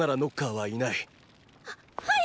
ははい！